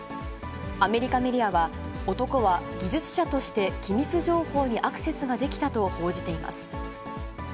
アメリカメディアは、男は技術者として機密情報にアクセスができたと報じています。